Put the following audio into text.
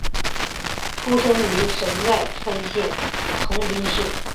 出生于神奈川县横滨市。